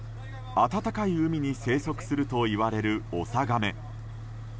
温かい海に生息するといわれるオサガメ。